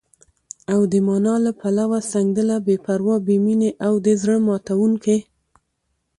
او د مانا له پلوه، سنګدله، بې پروا، بې مينې او د زړه ماتوونکې